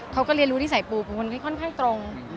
เขาก็เรียนรู้นิสัยปูเป็นคนที่ค่อนข้างตรง